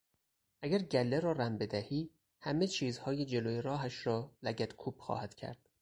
اگر گله را رم بدهی همه چیزهای جلو راهش را لگدکوب خواهد کرد.